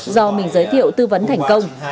do mình giới thiệu tư vấn thành công